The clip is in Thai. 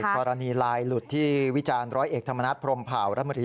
กรณีลายหลุดที่วิจารณ์๑๐๐เอกธรรมนัฐพรมเผาระมริ